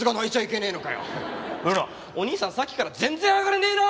お兄さんさっきから全然上がれねえな！